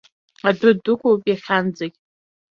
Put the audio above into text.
Адәы дықәуп иахьанӡагь.